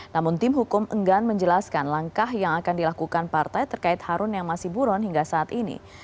namun tim hukum enggan menjelaskan langkah yang akan dilakukan partai terkait harun yang masih buron hingga saat ini